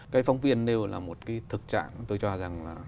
cái phóng viên nêu là một cái thực trạng tôi cho rằng là